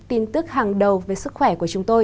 tin tức hàng đầu về sức khỏe của chúng tôi